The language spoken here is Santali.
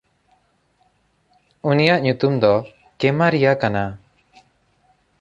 ᱩᱱᱤᱭᱟᱜ ᱧᱩᱛᱩᱢ ᱫᱚ ᱠᱮᱢᱟᱨᱤᱭᱟ ᱠᱟᱱᱟ᱾